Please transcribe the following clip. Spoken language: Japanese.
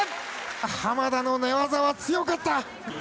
浜田の寝技は強かった。